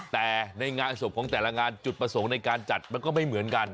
แต่ในงานศพของแต่ละงานจุดประสงค์ในการจัดมันก็ไม่เหมือนกัน